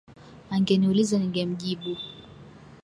Angeniuliza ningemjibu.